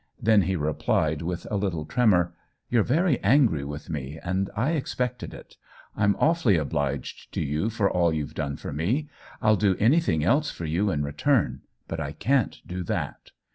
Then he replied, with a little tremor :" You're very angry with me, and I expect ed it. I'm awfully obliged to you for all you've done for me. I'll do an)'thing else for you in return, but I can't do that.